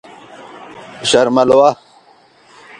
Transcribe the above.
شر ملوه.